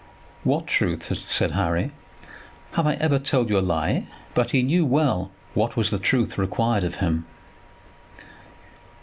"What truth?" said Harry. "Have I ever told you a lie?" But he knew well what was the truth required of him.